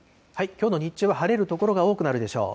きょうの日中は晴れる所が多くなるでしょう。